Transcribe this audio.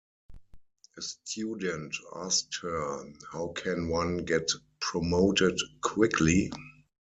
A student asked her, how can one get promoted quickly?